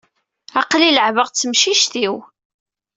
Aql-i leɛɛbeɣ d temcict-iw.